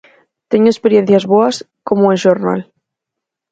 Teño experiencias boas, como en Xornal.